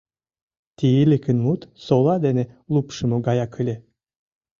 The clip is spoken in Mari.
— Тииликын мут сола дене лупшымо гаяк ыле.